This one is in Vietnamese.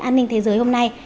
an ninh thế giới hôm nay